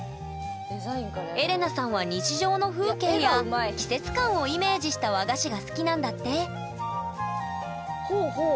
エレナさんは日常の風景や季節感をイメージした和菓子が好きなんだってほうほう。